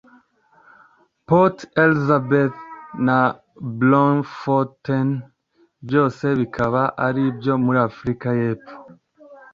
Port Elizabeth na Bloemfontein byose bikaba ari ibyo muri Afurika y’Epfo